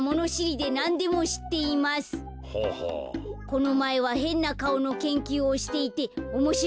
「このまえはへんなかおのけんきゅうをしていておもしろかったです。